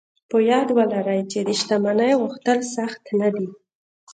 په ياد ولرئ چې د شتمنۍ غوښتل سخت نه دي.